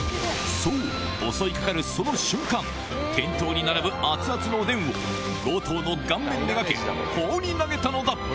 そう、襲いかかるその瞬間、店頭に並ぶ熱々のおでんを強盗の顔面目がけ、放り投げたのだ。